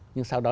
nhưng sau đó